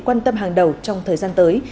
quan tâm hàng đầu trong thời gian tới